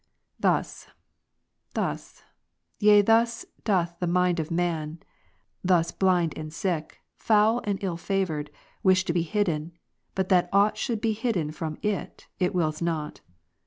Thus, thus, yea thus doth the mind of man, thus blind and sick, foul and ill favoured, wish to be hidden, but that aught should be hidden from it, it wills not.